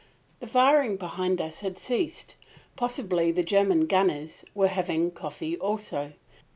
The firing behind us had ceased. Possibly the German gunners were having coffee also.